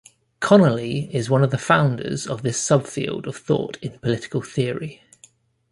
Connolly is one of the founders of this subfield of thought in political theory.